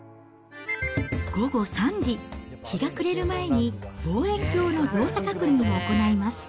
午後３時、日が暮れる前に望遠鏡の動作確認を行います。